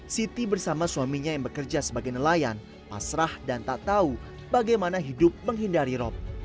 siti bersama suaminya yang bekerja sebagai nelayan pasrah dan tak tahu bagaimana hidup menghindari rop